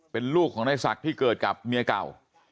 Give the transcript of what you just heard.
เป็นลูกของนายศักดิ์ที่เกิดกับเมียเก่า